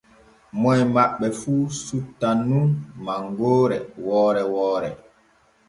Moy maɓɓe fu suttan nun mangoore woore woore.